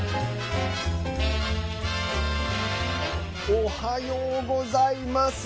おはようございます。